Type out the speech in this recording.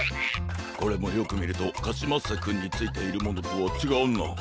これもよくみるとカシマッセくんについているものとはちがうな。